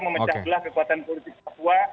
memecah belah kekuatan politik papua